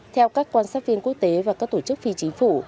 theo các quan sát viên quốc tế và các tổ chức phi chính phủ